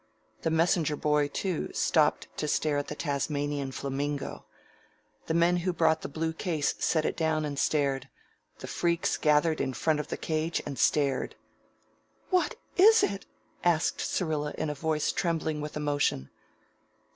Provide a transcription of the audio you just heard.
The messenger boy, too, stopped to stare at the Tasmanian flamingo. The men who had brought the blue case set it down and stared. The freaks gathered in front of the cage and stared. "What is it?" asked Syrilla in a voice trembling with emotion.